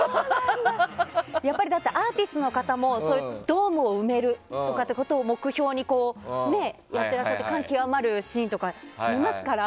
やっぱりアーティストの方もドームを埋めることを目標にやってらっしゃって感極まるシーンとか見ますから。